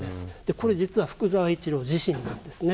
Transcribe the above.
これ実は福沢一郎自身なんですね。